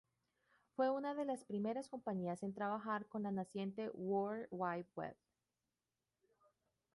Fue una de las primeras compañías en trabajar con la naciente World Wide Web.